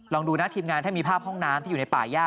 ดูนะทีมงานถ้ามีภาพห้องน้ำที่อยู่ในป่าย่า